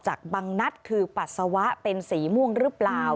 บางนัดคือปัสสาวะเป็นสีม่วงหรือเปล่า